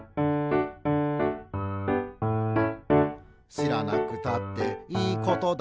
「しらなくたっていいことだけど」